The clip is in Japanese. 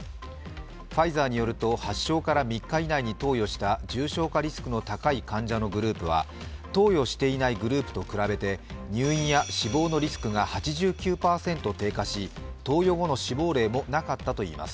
ファイザーによると発症から３日以内に投与した重症化リスクの高い患者のグループは投与していないグループと比べて入院や死亡のリスクが８９％低下し投与後の死亡例もなかったといいます。